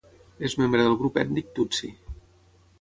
És membre del grup ètnic Tutsi.